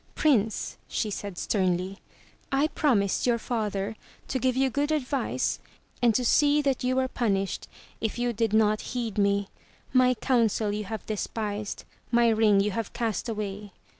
*Trince," said she sternly, *T promised your father to give you good advice and to see that you were punished if you did not heed 'me. My counsel you have despised, my ring you have cast away.